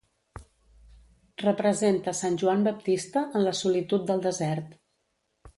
Representa sant Joan Baptista en la solitud del desert.